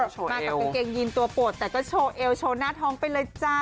มากับกางเกงยีนตัวโปรดแต่ก็โชว์เอวโชว์หน้าท้องไปเลยจ้า